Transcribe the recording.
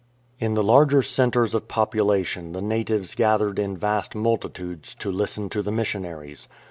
In the larger centres of population the natives gath ered in vast multitudes to listen to the missionaries.